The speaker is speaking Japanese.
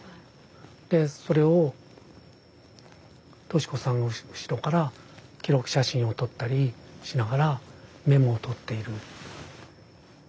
でそれを敏子さんが後ろから記録写真を撮ったりしながらメモを取っている。